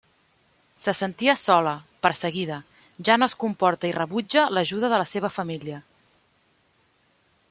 Se sentia sola, perseguida, ja no es comporta i rebutja l'ajuda de la seva família.